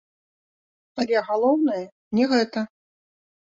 Але галоўнае не гэта.